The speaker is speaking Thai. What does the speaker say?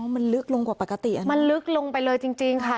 มันลึกลงกว่าปกติมันลึกลงไปเลยจริงค่ะ